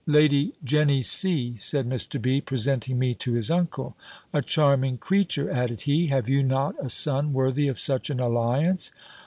"Lady Jenny C.," said Mr. B., presenting me to his uncle. "A charming creature!" added he: "Have you not a son worthy of such an alliance?"